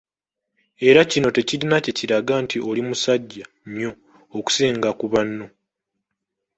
Era kino tekirina kye kiraga nti oli "musajja nnyo" okusinga ku banno.